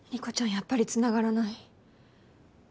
やっぱり繋がらない。